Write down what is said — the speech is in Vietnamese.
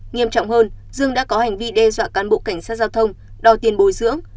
nghiêm trọng hơn dương đã có hành vi đe dọa cán bộ cảnh sát giao thông đòi tiền bồi dưỡng